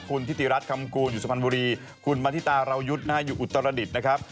คุณทิติรัฐคำกูลอยู่สมันบุรีคุณมาธิตาราวยุทธ์อยู่อุตรรดิศนะครับ